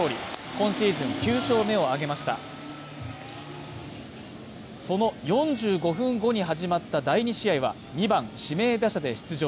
今シーズン９勝目を挙げましたその４５分後に始まった第２試合は２番指名打者で出場